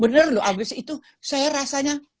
bener loh abis itu saya rasanya